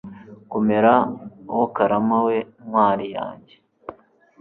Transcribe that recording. komera wo karama we ntwari yange